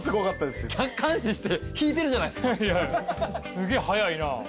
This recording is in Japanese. すげえ早いな。